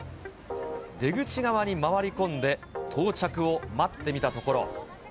出口側に回り込んで到着を待ってみたところ。